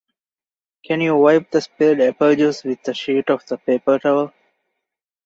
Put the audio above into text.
Can you wipe the spilled apple juice with a sheet of the paper towel?